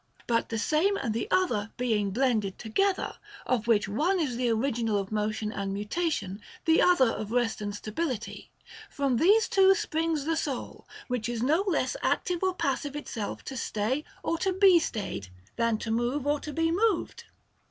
Bat the Same and the 32S OF THE PROCREATION OF THE SOUL. Other being blended together, of which one is the original of motion and mutation, the other of rest and stability, from these two springs the soul, which is no less active or passive itself to stay or to be stayed, than to move or to be moved.